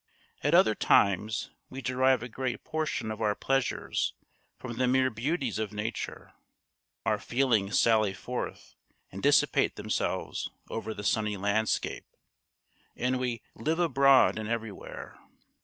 At other times we derive a great portion of our pleasures from the mere beauties of nature. Our feelings sally forth and dissipate themselves over the sunny landscape, and we "live abroad and everywhere."